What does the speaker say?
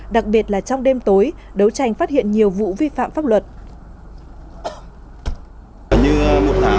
đặc biệt là trong đêm tối đấu tranh phát hiện nhiều vụ vi phạm pháp luật